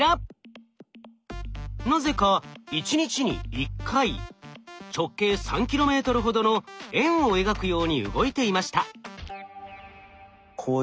なぜか一日に１回直径３ｋｍほどの円を描くように動いていました。